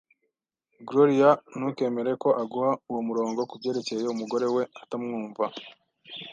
Gloria, ntukemere ko aguha uwo murongo kubyerekeye umugore we utamwumva.